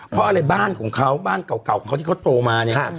เพราะอะไรบ้านของเขาบ้านเก่าของเขาที่เขาโตมาเนี่ย